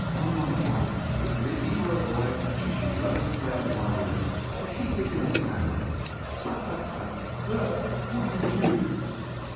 On my honor, if Lizzie were a boy, she should learn to play on the violin, to keep it in the family. Ha, ha, ha! DOMINIE. That would be curious!